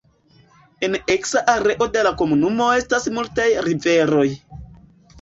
En eksa areo de la komunumo estas multaj riveroj.